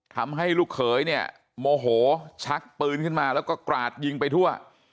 ทำให้ลูกเขยเนี่ยโมโหชักปืนขึ้นมาแล้วก็กราดยิงไปทั่ว